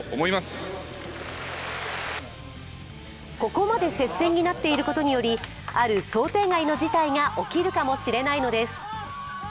ここまで接戦になっていることにより、ある想定外の事態が起きるかもしれないのです。